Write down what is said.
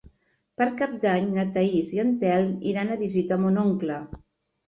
Per Cap d'Any na Thaís i en Telm iran a visitar mon oncle.